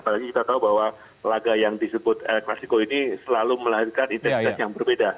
dan kita tahu bahwa laga yang disebut el klasiko ini selalu melahirkan intensitas yang berbeda